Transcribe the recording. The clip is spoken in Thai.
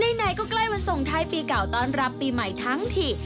ไหนก็ใกล้วันส่งท้ายปีเก่าต้อนรับปีใหม่ทั้งที